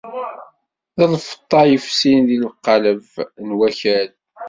D lfeṭṭa yefsin di lqaleb n wakal.